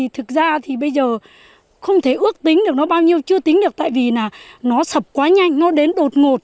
tôi không thể ước tính được nó bao nhiêu chưa tính được tại vì nó sập quá nhanh nó đến đột ngột